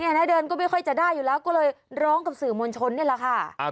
นะเดินก็ไม่ค่อยจะได้อยู่แล้วก็เลยร้องกับสื่อมวลชนนี่แหละค่ะ